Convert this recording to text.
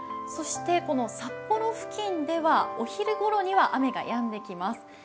そして札幌付近ではお昼ごろには雨がやんできます。